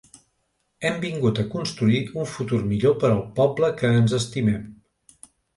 Hem vingut a construir un futur millor per al poble que ens estimem.